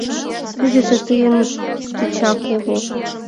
— Тидыже тыйын тичак уло.